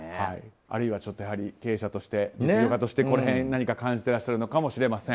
あるいは経営者として、実業家としてこの辺、何か感じていらっしゃるのかもしれません。